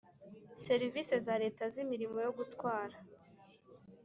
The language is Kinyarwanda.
serivise za Leta z imirimo yo gutwara